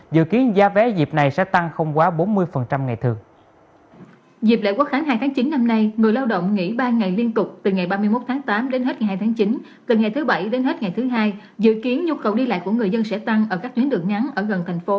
dự kiến giá vé dịp này sẽ tăng không quá bốn mươi ngày thường